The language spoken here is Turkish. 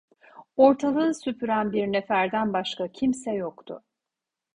Ortalığı süpüren bir neferden başka kimse yoktu…